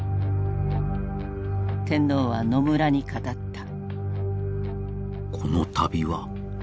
天皇は野村に語った。